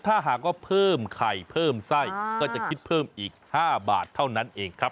ถ้าหากว่าเพิ่มไข่เพิ่มไส้ก็จะคิดเพิ่มอีก๕บาทเท่านั้นเองครับ